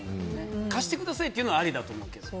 貸してくださいと言うのはありだと思うけど。